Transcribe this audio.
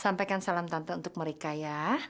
sampaikan salam tante untuk mereka ya